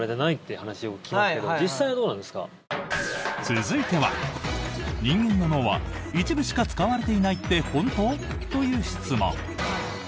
続いては、人間の脳は一部しか使われていないって本当？という質問。